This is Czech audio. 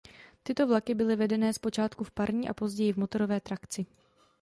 Tyto vlaky byly vedené zpočátku v parní a později v motorové trakci.